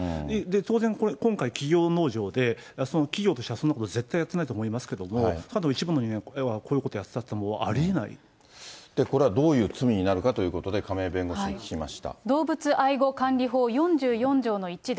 当然今回、きぎょう農場で、企業としてはそんなことは絶対やってないと思いますけれども、ただ一部の人間がこういうことをやったっていうのこれはどういう罪になるかということで、亀井弁護士に聞きました。